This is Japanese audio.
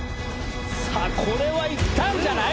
さあ、これはいったんじゃない？